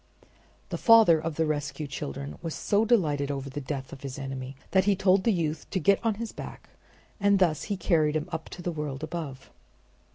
The father of the rescued children was so delighted over the death of his enemy that he told the youth to get on his back, and thus he carried him up to the world above.